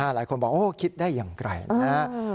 หลายคนบอกคิดได้อย่างไรนะฮะ